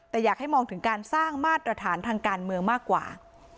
แต่อยากให้มองถึงการสร้างมาตรฐานทางการเมืองมากกว่า